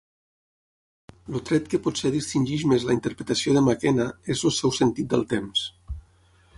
El tret que potser distingeix més la interpretació de McKenna és el seu sentit del temps.